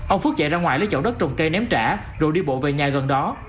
ông phước chạy ra ngoài lấy chậu đất trồng cây ném trả rồi đi bộ về nhà gần đó